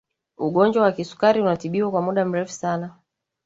ugonjwa wa kisukari unatibiwa kwa muda mrefu sana